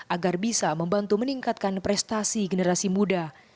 agar bisa membantu meningkatkan prestasi generasi muda